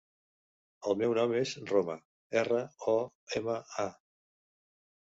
El meu nom és Roma: erra, o, ema, a.